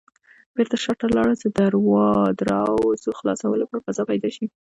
بېرته شاته لاړل چې د دراوزو خلاصولو لپاره فضا پيدا شي.